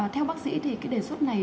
theo bác sĩ đề xuất này